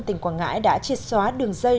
tỉnh quảng ngãi đã triệt xóa đường dây